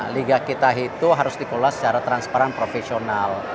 liga kita itu harus dikelola secara transparan profesional